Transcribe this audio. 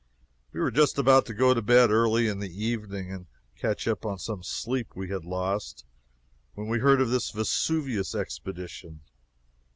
We were just about to go to bed early in the evening, and catch up on some of the sleep we had lost, when we heard of this Vesuvius expedition.